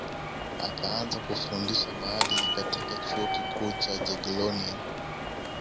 akaanza kufundisha maadili katika chuo kikuu cha jagiellonian